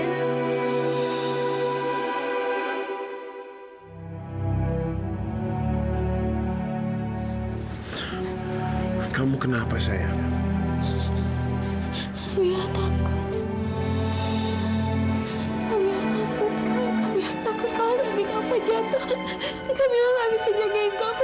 tapi kamila gak bisa jagain kava